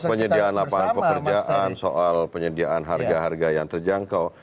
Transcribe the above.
penyediaan lapangan pekerjaan soal penyediaan harga harga yang terjangkau